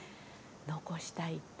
残したいって。